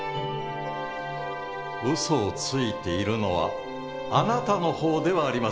ウソをついているのはあなたの方ではありませんか？